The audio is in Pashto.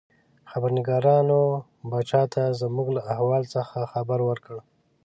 خبرنګارانو پاچا ته زموږ له احوال څخه خبر ورکړ.